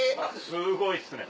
すごいっすね。